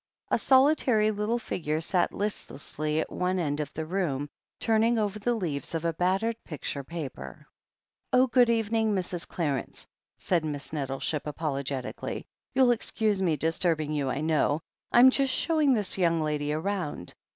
A solitary little figure sat listlessly at one end of the room, turning over the leaves of a battered picture paper. "Oh, good evening, Mrs. Clarence," said Miss Net tleship apologetically. "You'll excuse me disturbing you, I know. I'm just showing this yotmg lady round.